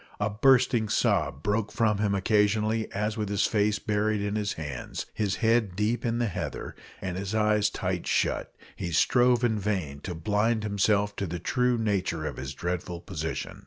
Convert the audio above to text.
A bursting sob broke from him occasionally, as with his face buried in his hands, his head deep in the heather, and his eyes tight shut, he strove in vain to blind himself to the true nature of his dreadful position.